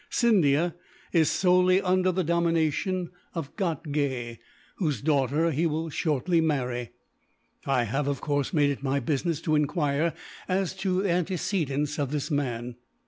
Scindia is solely under the domination of Ghatgay, whose daughter he will shortly marry. I have, of course, made it my business to enquire as to the antecedents of this man.